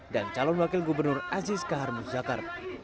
dan calon wakil gubernur aziz kaharmu zakat